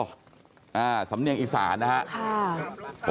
อ่าสำเนียงอีสานนะฮะค่ะ